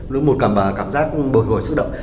lúc một cảm giác bồi hồi xúc động